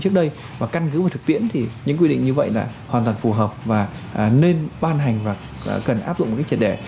thính vật thực tiễn thì những quy định như vậy là hoàn toàn phù hợp và nên ban hành và cần áp dụng một cái trật để